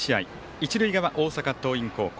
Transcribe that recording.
一塁側、大阪桐蔭高校。